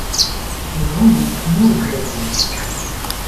Zedɣen di tnarga-ya.